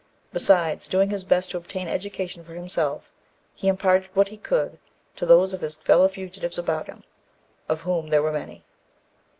Besides doing his best to obtain education for himself, he imparted what he could to those of his fellow fugitives about him, of whom there were many.